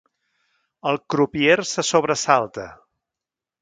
El crupier se sobresalta.